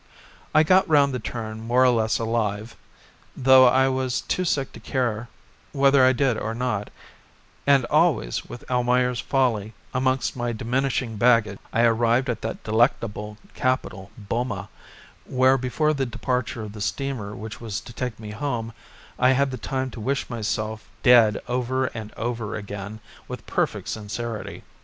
I got round the turn more or less alive, though I was too sick to care whether I did or not, and, always with "Almayer's Folly" amongst my diminishing baggage, I arrived at that delectable capital Boma, where before the departure of the steamer which was to take me home I had the time to wish myself dead over and over again with perfect sincerity.